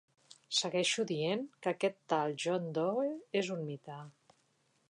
Segueixo dient que aquest tal John Doe és un mite.